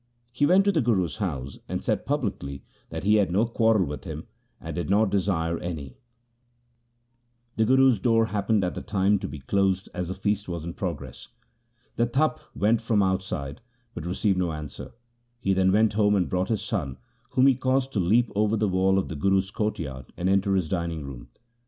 He went to the Guru's house, and said publicly that he had no quarrel with him, and did not desire any. 1 Suraj Parkdsh, Ras II, Chapter 10. LIFE OF GURU AMAR DAS 99 The Guru's door happened at the time to be closed as the feast was in progress. The Tapa called from outside, but received no answer. He then went home and brought his son, whom he caused to leap over the wall of the Guru's courtyard and enter his dining room.